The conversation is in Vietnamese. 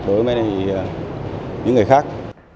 đối với mình thì những người khác